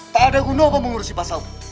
tak ada guna apa mengurusi pasal